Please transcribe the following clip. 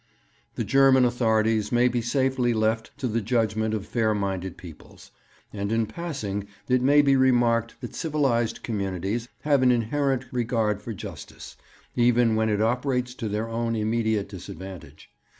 The German authorities may be safely left to the judgement of fair minded peoples; and in passing it may be remarked that civilized communities have an inherent regard for justice, even when it operates to their own immediate disadvantage.